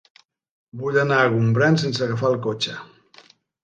Vull anar a Gombrèn sense agafar el cotxe.